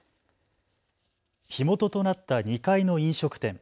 火元となった２階の飲食店。